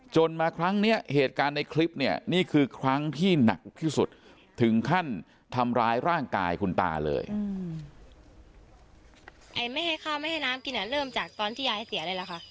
จนมาครั้งเนี่ยเหตุการณ์ในคลิปเนี่ยนี่คือครั้งที่หนักที่สุดถึงขั้นทำร้ายร่างกายคุณตาเลย